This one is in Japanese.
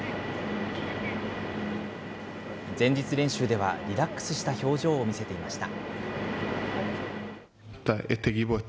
前日練習ではリラックスした表情を見せていました。